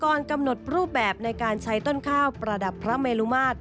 ก่อนกำหนดรูปแบบในการใช้ต้นข้าวประดับพระเมลุมาตร